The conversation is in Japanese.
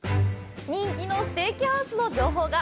人気のステーキハウスの情報が。